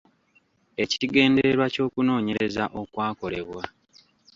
Ekigendererwa ky’okunoonyereza okwakolebwa.